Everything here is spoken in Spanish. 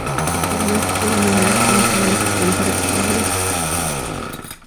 Su forma es piramidal truncada y su planta rectangular.